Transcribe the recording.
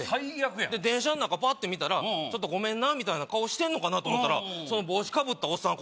最悪や電車の中パッて見たら「ごめんな」みたいな顔してんのかなと思ったらその帽子かぶったおっさん